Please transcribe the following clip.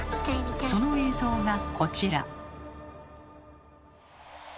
その映像がこちら。